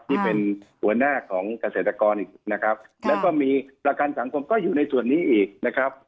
ที่เป็นหัวหน้าของเกษตรกรอีกนะครับแล้วก็มีประกันสังคมก็อยู่ในส่วนนี้อีกนะครับ